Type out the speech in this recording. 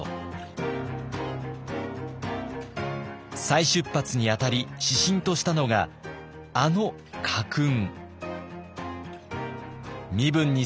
再出発にあたり指針としたのがあの家訓。